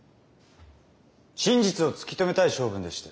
真実を突き止めたい性分でして。